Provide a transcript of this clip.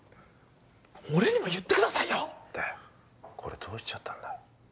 俺にも言ってくださいよッでこれどうしちゃったんだい？